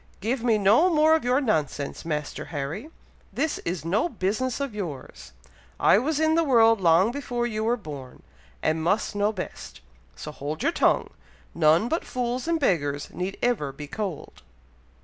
"Give me no more of your nonsense, Master Harry! This is no business of yours! I was in the world long before you were born, and must know best; so hold your tongue. None but fools and beggars need ever be cold."